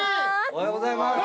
おはようございます。